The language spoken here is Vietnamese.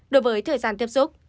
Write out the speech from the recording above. đối với thời gian tiếp xúc